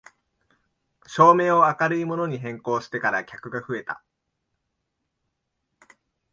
照明を明るいものに変更してから客が増えた